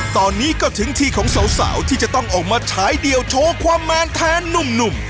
ตอนนี้ก็ถึงทีของสาวที่จะต้องออกมาฉายเดี่ยวโชว์ความแมนแทนหนุ่ม